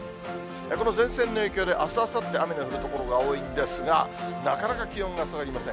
この前線の影響で、あす、あさって雨の降る所が多いんですが、なかなか気温が下がりません。